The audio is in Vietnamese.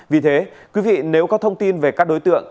vì thế quý vị nếu có thông tin về các đối tượng